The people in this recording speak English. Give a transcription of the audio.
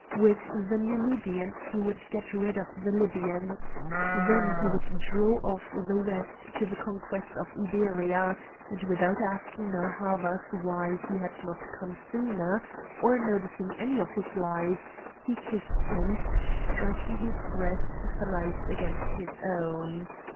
With the Numidians he would get rid of the Libyans. Then he would draw off the West to the conquest of Iberia; and, without asking Narr' Havas why he had not come sooner, or noticing any of his lies, he kissed him, striking his breast thrice against his own.